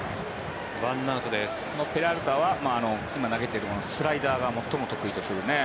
ペラルタは今、投げているスライダーが最も得意とする。